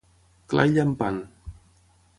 Clar i llampant.